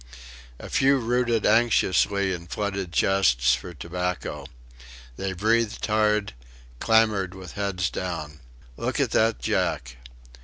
A few rooted anxiously in flooded chests for tobacco. They breathed hard, clamoured with heads down. "Look at that Jack!"...